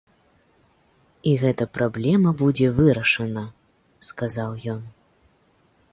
І гэта праблема будзе вырашана, сказаў ён.